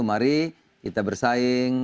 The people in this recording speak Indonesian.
mari kita bersaing